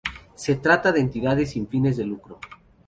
Se trata de entidades sin fines de lucro.